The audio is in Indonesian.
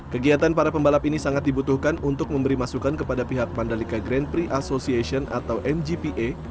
kegiatan para pembalap ini sangat dibutuhkan untuk memberi masukan kepada pihak mandalika grand prix association atau mgpa